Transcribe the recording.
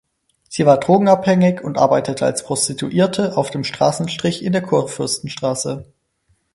Sie war drogenabhängig und arbeitete als Prostituierte auf dem Straßenstrich in der Kurfürstenstraße.